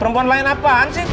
perempuan lain apaan sih